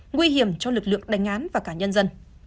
nguy hiểm cho lực lượng đánh án và cả nhân dân